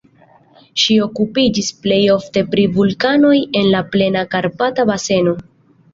Ŝi okupiĝis plej ofte pri vulkanoj en la plena Karpata baseno.